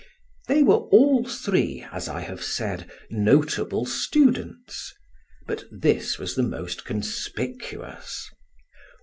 They were all three, as I have said, notable students; but this was the most conspicuous.